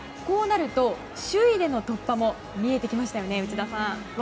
こうなると、首位での突破も見えてきましたよね。